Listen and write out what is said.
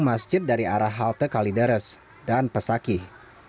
masjid dari arah halte kalideres dan pesakih